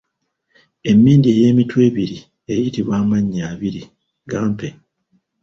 Emmindi eyeemitwe ebiri eyitibwa amannya abiri, gampe?